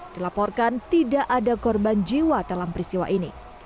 dilaporkan tidak ada korban jiwa dalam peristiwa ini